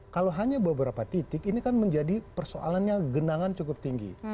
kalau hanya beberapa titik ini kan menjadi persoalannya genangan cukup tinggi